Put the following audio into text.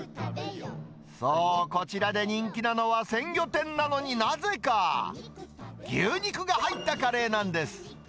そう、こちらで人気なのは、鮮魚店なのになぜか、牛肉が入ったカレーなんです。